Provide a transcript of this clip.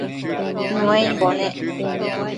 Nuaimbo nec